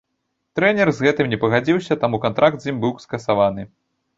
Трэнер з гэтым не пагадзіўся, таму кантракт з ім быў скасаваны.